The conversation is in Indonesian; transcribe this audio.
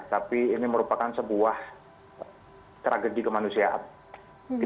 tapi ini merupakan sebuah tragedi kemanusiaan